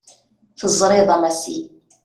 Teẓriḍ a Massi.